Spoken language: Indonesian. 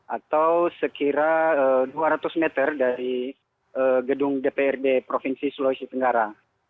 atau sekira dua ratus meter dari gedung dprd provinsi sulawesi tenggara